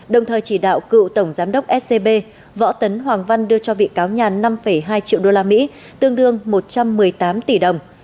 đồng thời chỉ đạo cựu tổng giám đốc scb võ tấn hoàng văn đưa cho bị cáo nhàn năm hai triệu usd tương đương một trăm một mươi tám tỷ đồng